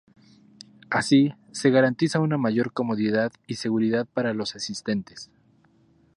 Así, se garantiza una mayor comodidad y seguridad para los asistentes.